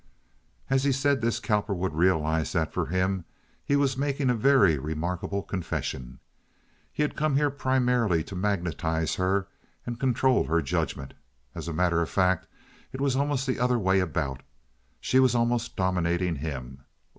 As he said this Cowperwood realized that for him he was making a very remarkable confession. He had come here primarily to magnetize her and control her judgment. As a matter of fact, it was almost the other way about. She was almost dominating him.